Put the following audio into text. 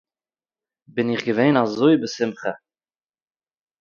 בין איך געווען אַזוי בשמחה